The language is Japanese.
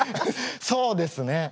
そうですね。